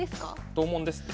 同門ですね。